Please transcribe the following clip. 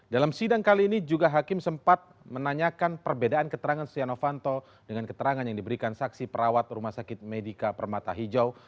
dalam sidang kali ini juga hakim sempat menanyakan perbedaan keterangan setia novanto dengan keterangan yang diberikan saksi perawat rumah sakit medika permata hijau